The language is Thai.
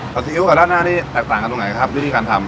ซีอิ๊วกับด้านหน้านี่แตกต่างกันตรงไหนครับวิธีการทำ